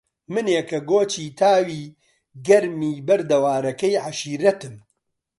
منێ کە گۆچی تاوی گەرمی بەردەوارەکەی عەشیرەتم